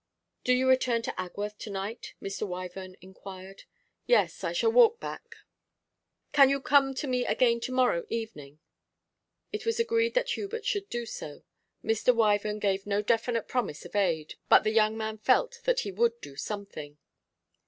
'Do you return to Agworth to night?' Mr. Wyvern inquired. 'Yes, I shall walk back.' 'Can you come to me again to morrow evening?' It was agreed that Hubert should do so. Mr. Wyvern gave no definite promise of aid, but the young man felt that he would do something.